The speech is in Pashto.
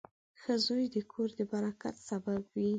• ښه زوی د کور د برکت سبب وي.